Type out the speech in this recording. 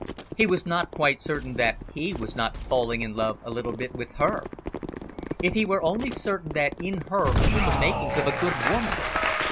He was not quite certain that he was not falling in love a little bit with her. If he were only certain that in her were the makings of a good woman!